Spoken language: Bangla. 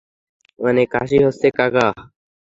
অনেক কাশি হচ্ছে, কাকা।